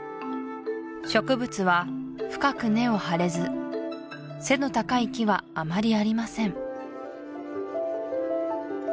植物は深く根を張れず背の高い木はあまりありません